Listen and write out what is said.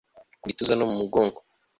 Ku gituza no mu mugongo